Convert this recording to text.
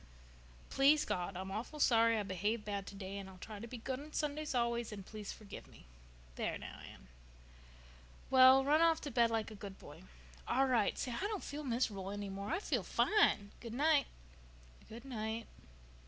—Please, God, I'm awful sorry I behaved bad today and I'll try to be good on Sundays always and please forgive me.—There now, Anne." "Well, now, run off to bed like a good boy." "All right. Say, I don't feel mis'rubul any more. I feel fine. Good night." "Good night."